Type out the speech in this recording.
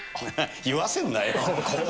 言わせんなよ。